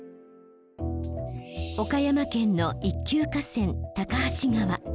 岡山県の一級河川高梁川。